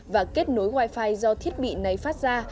và kết nối wifi do thiết bị này phát ra